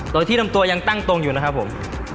โดยที่ลำตัวยังตั้งตรงอยู่นะครับผม